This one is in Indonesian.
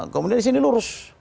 kemudian di sini lurus